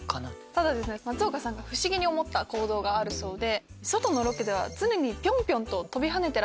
ただ松岡さんが不思議に思った行動があるそうで。